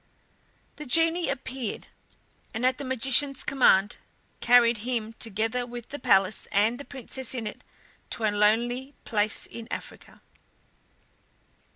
The genie appeared, and at the magician's command carried him, together with the palace and the Princess in it, to a lonely place in Africa.